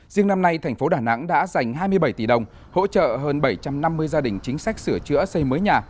riêng năm nay thành phố đà nẵng đã dành hai mươi bảy tỷ đồng hỗ trợ hơn bảy trăm năm mươi gia đình chính sách sửa chữa xây mới nhà